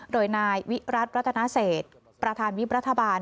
โดยนายวิรัติรัตนาเศษประธานวิบรัฐบาล